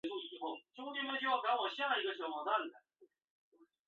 冥古宙则尚未有正式的分代。